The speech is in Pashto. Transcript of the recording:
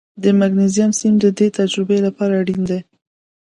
د مګنیزیم سیم د دې تجربې لپاره اړین دی.